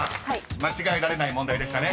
間違えられない問題でしたね］